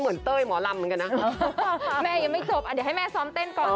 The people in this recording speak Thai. ถูกต้อง๒ล้านกว่าแล้ว